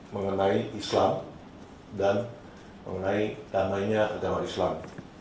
mengenai islam dan mengenai tanahnya kegama islam